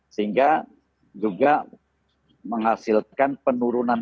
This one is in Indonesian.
sehingga juga menghasilkan penurunan